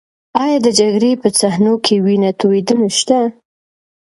ایا د جګړې په صحنو کې وینه تویدنه شته؟